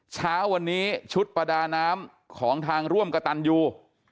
เช้าวันนี้ชุดประดาน้ำของทางร่วมกระตันยู